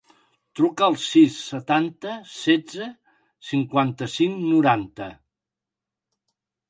Truca al sis, setanta, setze, cinquanta-cinc, noranta.